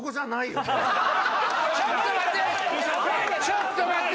ちょっと待って！